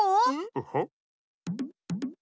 ウホッ？